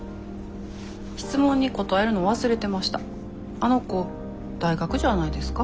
あの子大学じゃないですか？